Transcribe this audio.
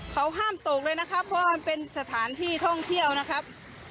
เขาห้ามตกเลยนะครับเพราะมันเป็นสถานที่ท่องเที่ยวนะครับ